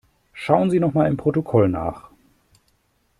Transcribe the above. Schauen Sie noch mal im Protokoll nach.